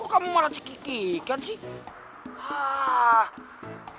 kok kamu marah cekikikan sih